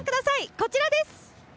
こちらです！